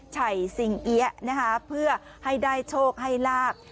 ใช้สิ่งเอี๊ยะนะครับเพื่อให้ได้โชคให้ราก